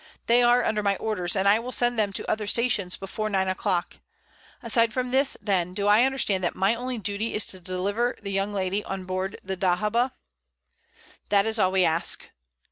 They are under my orders, and I will send them to other stations before nine o'clock. Aside from this, then, do I understand that my only duty is to deliver the young lady on board the dahabeah?" "That is all we ask."